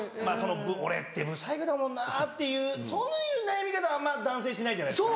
「俺って不細工だもんな」っていうそういう悩み方あんま男性しないじゃないですか。